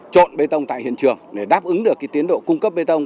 trộn bê tông tại hiện trường để đáp ứng được tiến độ cung cấp bê tông